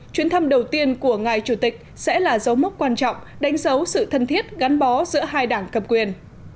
chuyến thăm đầu tiên của ngài chủ tịch sẽ là dấu mốc quan trọng đánh dấu sự thân thiết gắn bó giữa hai đảng cầm quyền